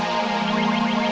apa ya dahlia aku belum gadu ini